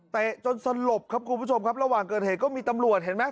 จนสลบครับคุณผู้ชมครับระหว่างเกิดเหตุก็มีตำรวจเห็นไหม